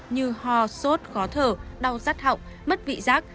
như ho sốt khó thở đau rắt họng mất vị giác